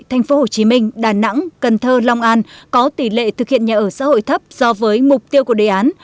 thành phố hồ chí minh đà nẵng cần thơ long an có tỷ lệ thực hiện nhà ở xã hội thấp do với mục tiêu của đề án